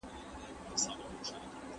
ډاکټران غلطې لارې نه خوښوي.